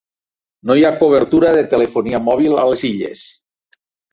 No hi ha cobertura de telefonia mòbil a les illes.